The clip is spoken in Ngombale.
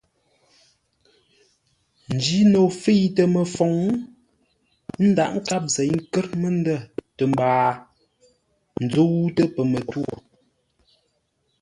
Njino fə̂itə məfoŋ ńdághʼ nkâp zěi ńkə́r məndə̂ tə mbaa ńzə́utə́ pəmətwô.